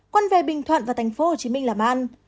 quân về bình thuận và thành phố hồ chí minh làm ăn